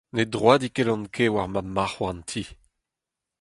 Ne droadikellan ket war ma marc'h-houarn ti.